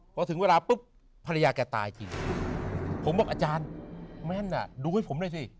เพราะถึงเวลาปุ๊บภรรยาแกตายจริงผมบอกอาจารย์แม่นอ่ะดูให้ผมด้วยสิ